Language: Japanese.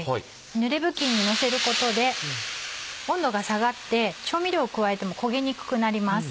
ぬれ布巾にのせることで温度が下がって調味料を加えても焦げにくくなります。